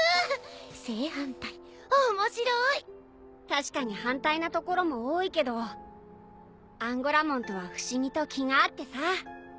確かに反対なところも多いけどアンゴラモンとは不思議と気が合ってさ。